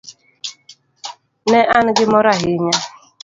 Ne an gi mor ahinya.